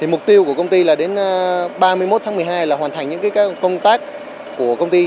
mục tiêu của công ty là đến ba mươi một tháng một mươi hai là hoàn thành những công tác của công ty